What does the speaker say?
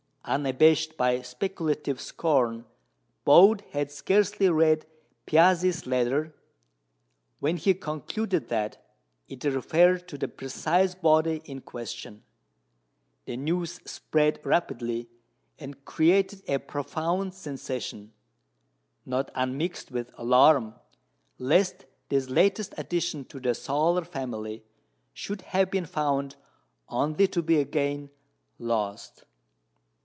Unabashed by speculative scorn, Bode had scarcely read Piazzi's letter when he concluded that it referred to the precise body in question. The news spread rapidly, and created a profound sensation, not unmixed with alarm lest this latest addition to the solar family should have been found only to be again lost.